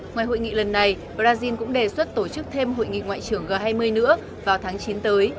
ngoài hội nghị lần này brazil cũng đề xuất tổ chức thêm hội nghị ngoại trưởng g hai mươi nữa vào tháng chín tới